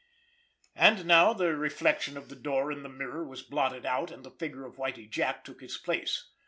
And now the reflection of the door in the mirror was blotted out, and the figure of Whitie Jack took its place.